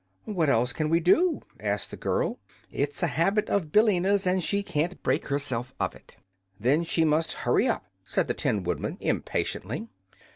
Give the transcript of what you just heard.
"What else can we do?" asked the girl. "It's a habit of Billina's and she can't break herself of it." "Then she must hurry up," said the Tin Woodman, impatiently.